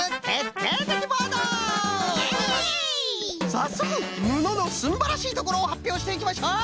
さっそくぬののすんばらしいところをはっぴょうしていきましょう！